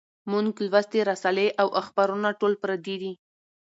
مونږ لوستي رسالې او اخبارونه ټول پردي دي